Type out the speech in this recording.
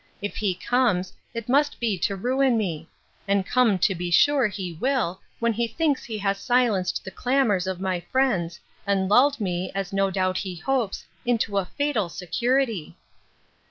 If he comes, it must be to ruin me; and come to be sure he will, when he thinks he has silenced the clamours of my friends, and lulled me, as no doubt he hopes, into a fatal security.